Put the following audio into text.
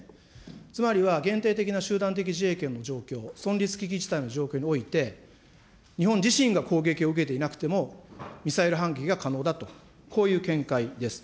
つまりは限定的な集団的自衛権の状況、存立危機事態の状況において、日本自身が攻撃を受けていなくても、ミサイル反撃が可能だと、こういう見解です。